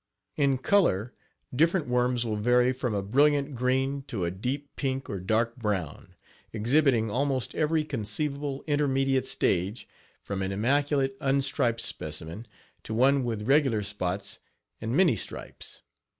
In color different worms will vary from a brilliant green to a deep pink or dark brown, exhibiting almost every conceivable intermediate stage from an immaculate, unstriped specimen to one with regular spots and many stripes.